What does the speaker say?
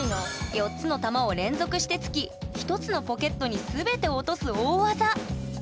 ４つの球を連続して突き一つのポケットに全て落とす大技！